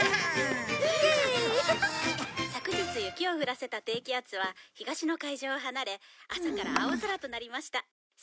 「昨日雪を降らせた低気圧は東の海上を離れ朝から青空となりました」